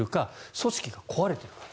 組織が壊れているから。